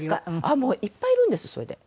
あっもういっぱいいるんですそれで。